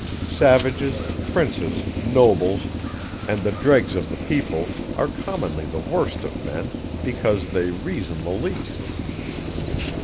Savages, princes, nobles, and the dregs of the people, are commonly the worst of men, because they reason the least.